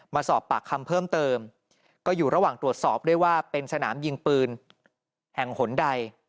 มาสอบปากคำเพิ่มเติมก็อยู่ระหว่างตรวจสอบด้วยว่าเป็นสนามยิงปืนแห่งหนใด